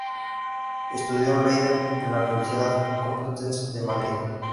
Estudió en Leiden y en la Universidad Complutense de Madrid.